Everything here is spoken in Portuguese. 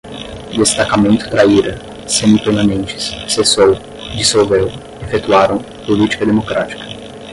Destacamento Traíra, semi-permanentes, cessou, dissolveu, efetuaram, política-democrática